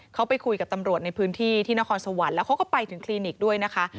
เขาไปคุยกับตำรวจในพื้นที่ที่นครสวรรค์แล้วเขาก็ไปถึงคลินิกด้วยนะคะ